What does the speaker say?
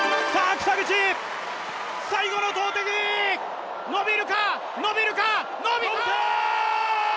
北口、最後の投てき伸びる、伸びるか、伸びたー！